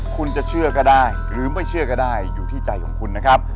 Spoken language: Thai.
คุณจะเชื่อก็ได้หรือไม่เชื่อก็ได้อยู่ที่ใจของคุณนะครับ